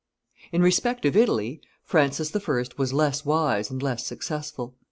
In respect of Italy, Francis I. was less wise and less successful.